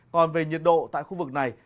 còn về nhiệt độ tại khu vực này